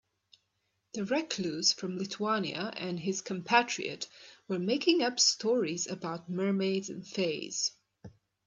The recluse from Lithuania and his compatriot were making up stories about mermaids and fays.